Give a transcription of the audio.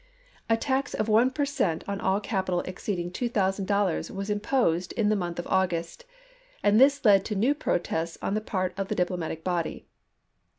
A tax of one per cent, on all capital exceeding two thousand doUars was imposed in the month of August, and this led to new protests on the part of the diplomatic body.